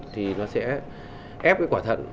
thì nó sẽ ép cái quả thận